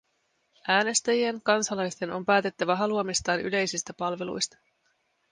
Äänestäjien, kansalaisten, on päätettävä haluamistaan yleisistä palveluista.